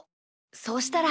そしたら。